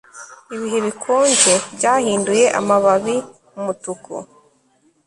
Ibihe bikonje byahinduye amababi umutuku